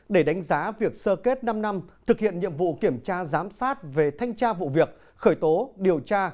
để đánh giá việc sơ kết năm năm thực hiện nhiệm vụ kiểm tra giám sát về thanh tra vụ việc khởi tố điều tra